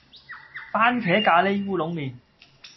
番茄咖哩烏龍麵